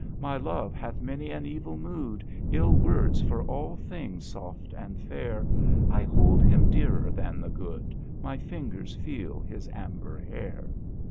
" My love hath many an evil mood 111 words for all things soft and fair,. I hold him dearer than the good, My fingers feel his amber hair.